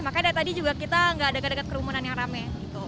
makanya dari tadi juga kita nggak dekat dekat kerumunan yang rame gitu